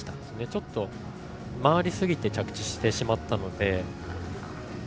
ちょっと回りすぎて着地してしまったので。